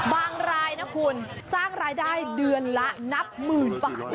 รายนะคุณสร้างรายได้เดือนละนับหมื่นบาท